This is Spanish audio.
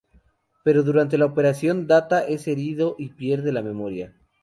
Pero durante la operación Data es herido y pierde la memoria.